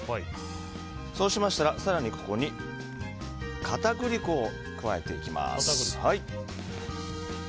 そうしましたらここに片栗粉を加えていきます。